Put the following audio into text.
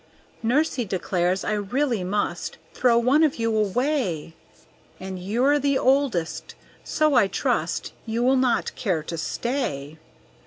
Nursey declares I really must Throw one of you away; And you're the oldest, so I trust You will not care to stay.